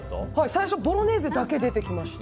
最初ボロネーゼだけ出てきました。